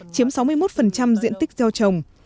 chiếm sáu mươi một diện tích giao trồng